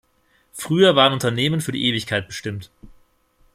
Früher waren Unternehmen für die Ewigkeit bestimmt.